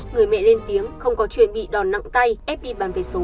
người mẹ lên tiếng không có chuyện bị đòn nặng tay ép đi bán vé số